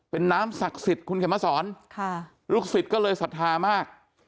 เป็นน้ำศักดิ์สิทธิ์คุณเข็มมาสอนลูกศิษย์ก็เลยศรัทธามาก